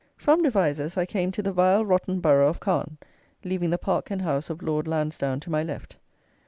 From Devizes I came to the vile rotten borough of Calne leaving the park and house of Lord Lansdown to my left.